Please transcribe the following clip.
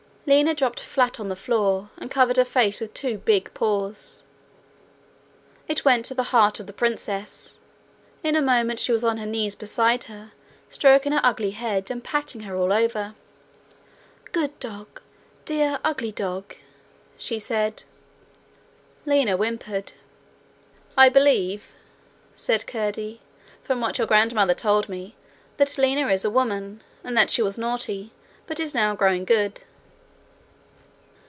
Lina dropped flat on the floor, and covered her face with her two big paws. It went to the heart of the princess: in a moment she was on her knees beside her, stroking her ugly head, and patting her all over. 'Good dog! Dear ugly dog!' she said. Lina whimpered. 'I believe,' said Curdie, 'from what your grandmother told me, that Lina is a woman, and that she was naughty, but is now growing good.'